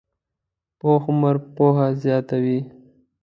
پوخ عمر پوهه زیاته وي